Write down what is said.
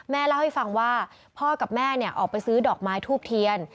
เล่าให้ฟังว่าพ่อกับแม่ออกไปซื้อดอกไม้ทูบเทียน